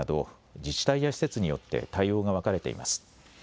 自治体や施設によって対応が分かれています。